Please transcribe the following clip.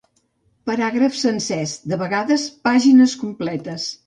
Paràgrafs sencers, de vegades pàgines completes.